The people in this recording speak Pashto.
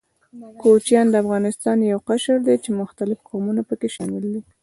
کوچيان د افغانستان يو قشر ده، چې مختلف قومونه پکښې شامل دي.